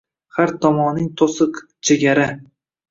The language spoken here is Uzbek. Ҳар томонинг тўсиқ, чегара